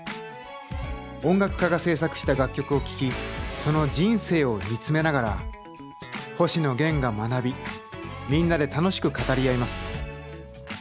音楽家が制作した楽曲を聴きその人生を見つめながら星野源が学びみんなで楽しく語り合います。